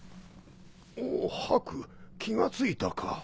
おっハク気が付いたか。